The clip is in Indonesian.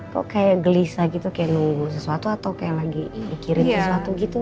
kok kayak gelisah gitu kayak nunggu sesuatu atau kayak lagi mikirin sesuatu gitu